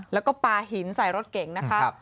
แล้วก็ปลาหินใส่รถเก่งนะคะ